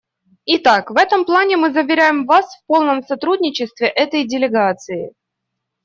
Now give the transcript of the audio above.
Итак, в этом плане мы заверяем Вас в полном сотрудничестве этой делегации.